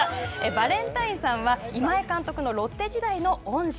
バレンタインさんは今江監督のロッテ時代の恩師。